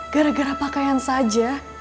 gara gara pakaian saja